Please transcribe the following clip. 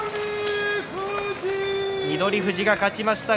翠富士が勝ちました。